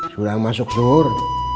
sudah masuk sur